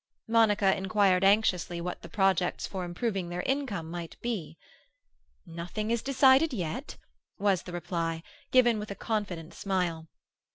Monica inquired anxiously what the projects for improving their income might be. "Nothing is decided yet," was the reply, given with a confident smile.